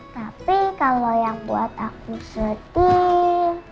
tapi kalau yang buat aku sedih